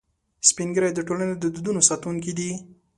سپین ږیری د ټولنې د دودونو ساتونکي دي